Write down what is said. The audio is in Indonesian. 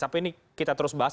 tapi ini kita terus bahas